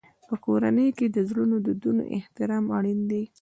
په کورنۍ کې د زړو دودونو احترام اړین دی.